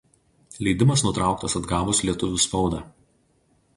Leidimas nutrauktas atgavus lietuvių spaudą.